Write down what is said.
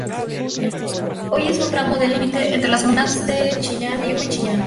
Hoy es un tramo del límite entre las comunas de Chillán Viejo y Chillán.